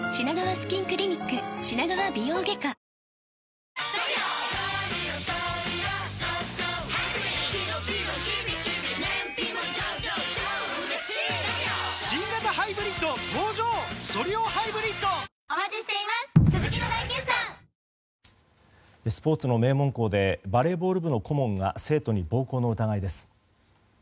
基本料と機種代がスポーツの名門校でバレーボール部の顧問が生徒に暴行の疑いです。